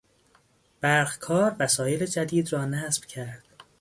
برقکار وسایل جدید را نصب کرد.